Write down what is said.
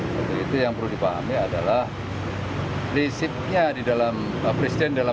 nah itu yang perlu dipahami adalah prinsipnya di dalam